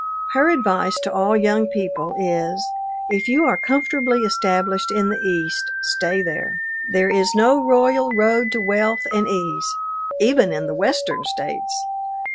Her advice to all young people is, if you are comfortably established in the East, stay there. There is no royal road to wealth and ease, even in the Western States!